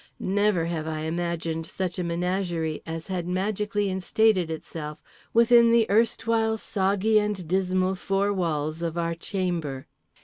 Never have I imagined such a menagerie as had magically instated itself within the erstwhile soggy and dismal four walls of our chamber.